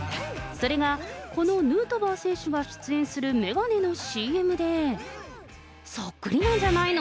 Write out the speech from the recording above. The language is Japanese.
それがこのヌートバー選手が出演する眼鏡のＣＭで、そっくりなんじゃないの？